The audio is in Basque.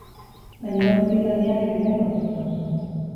Gainerako ekitaldiak, hemen, auzoz auzo.